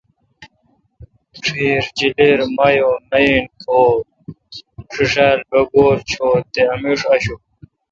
ڄھیر، جلیر، مایع، میین، کھو ݭیݭال، بگورڄھوت تے امیݭ اشون۔